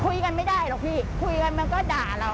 ไม่ได้หรอกพี่คุยกันมันก็ด่าเรา